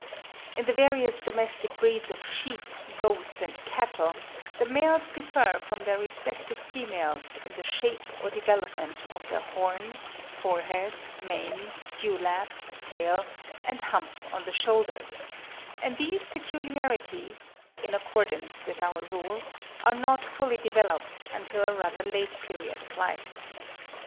In the various domestic breeds of sheep, goats, and cattle, the males differ from their respective females in the shape or development of their horns, forehead, mane, dewlap, tail, and hump on the shoulders; and these peculiarities, in accordance with our rule, are not fully developed until a rather late period of life.